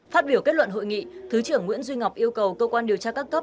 phát biểu kết luận hội nghị thứ trưởng nguyễn duy ngọc yêu cầu cơ quan điều tra các cấp